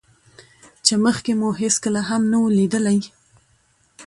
چې مخکې مو هېڅکله هم نه وو ليدلى.